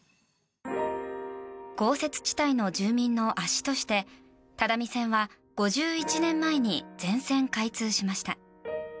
豪雪地帯の住民の足として只見線は５１年前に全線開通しました。